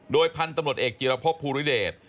โดยพันธุ์ตำรวจเอกจิรพบภูริเดช